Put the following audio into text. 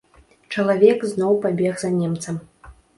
Чалавек зноў пабег за немцам.